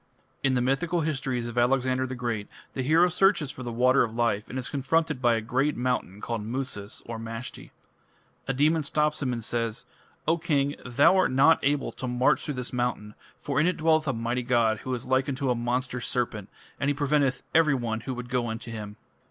In the mythical histories of Alexander the Great, the hero searches for the Water of Life, and is confronted by a great mountain called Musas (Mashti). A demon stops him and says; "O king, thou art not able to march through this mountain, for in it dwelleth a mighty god who is like unto a monster serpent, and he preventeth everyone who would go unto him."